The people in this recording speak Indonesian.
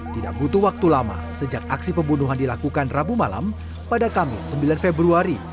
tidak butuh waktu lama sejak aksi pembunuhan dilakukan rabu malam pada kamis sembilan februari